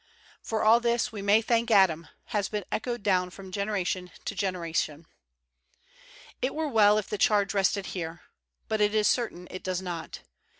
"Far all this we may thank Adam" has been echoed down from generation to gen eration. It were well if the charge rested here: but it is certain it does not.